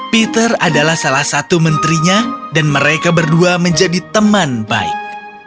peter adalah salah satu menterinya dan mereka berdua menjadi teman baik